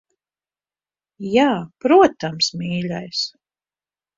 Jā, protams, mīļais.